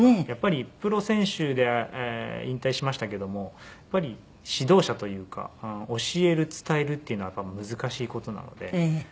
やっぱりプロ選手引退しましたけどもやっぱり指導者というか教える伝えるっていうのは難しい事なので。